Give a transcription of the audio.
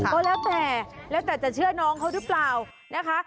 ก็แล้วแต่แล้วแต่จะเชื่อน้องเขาหรือเปล่านะคะ